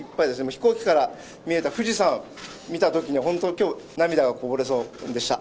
飛行機から見えた富士山、見たときに本当きょう、涙がこぼれそうでした。